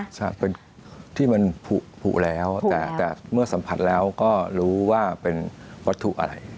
ใช่เป็นที่มันผูแล้วแต่เมื่อสัมผัสแล้วก็รู้ว่าเป็นวัตถุอะไร